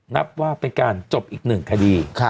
นับว่าเป็นการจบอีกหนึ่งคดี